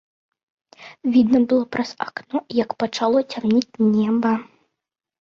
Відно было праз акно, як пачало цямнець неба.